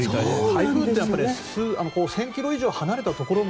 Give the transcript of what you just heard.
台風って１０００ｋｍ以上離れたところまで